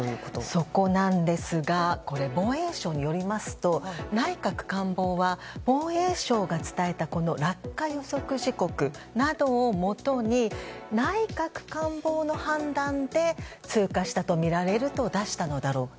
そこなんですが防衛省によりますと内閣官房は防衛省が伝えた落下予測時刻などをもとに内閣官房の判断で通過したとみられると出したのだろうと。